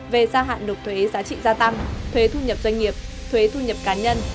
về gia hạn nộp thuế giá trị gia tăng thuế thu nhập doanh nghiệp thuế thu nhập cá nhân